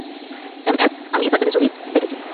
MS, আমি সাজ্জাদের ছবি দেখেছি।